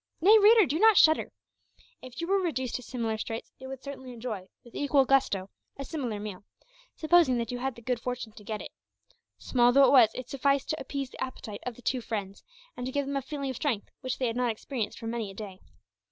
Nay, reader, do not shudder! If you were reduced to similar straits, you would certainly enjoy, with equal gusto, a similar meal, supposing that you had the good fortune to get it. Small though it was, it sufficed to appease the appetite of the two friends, and to give them a feeling of strength which they had not experienced for many a day.